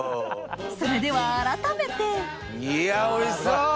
それでは改めていやおいしそう！